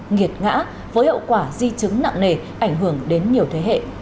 nghiệt ngã với hậu quả di chứng nặng nề ảnh hưởng đến nhiều thế hệ